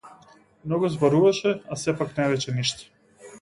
Многу зборуваше а сепак не рече ништо.